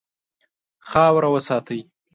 خاوره وساتئ.